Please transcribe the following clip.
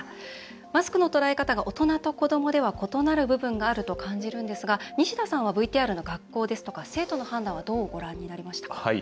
マスクの捉え方が大人と子どもでは異なる部分があると感じるんですが西田さんは、ＶＴＲの学校や生徒の判断はどうご覧になりましたか？